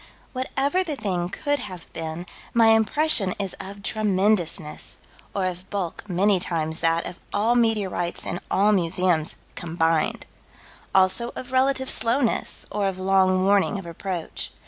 Whatever the thing could have been, my impression is of tremendousness, or of bulk many times that of all meteorites in all museums combined: also of relative slowness, or of long warning of approach.